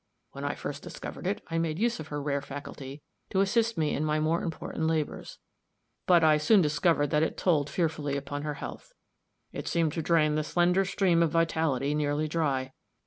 When I first discovered it, I made use of her rare faculty to assist me in my more important labors; but I soon discovered that it told fearfully upon her health. It seemed to drain the slender stream of vitality nearly dry.